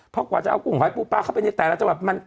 เพราะกว่าจะเอากุ้งหอยปูปลาเข้าไปในแต่ละจังหวัดมัน